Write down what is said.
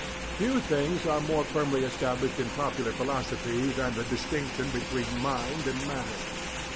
Few things are more firmly established in popular philosophy than the distinction between mind and matter.